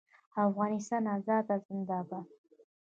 د افغانستان ازادي زنده باد.